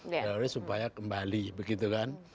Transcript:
teroris supaya kembali begitu kan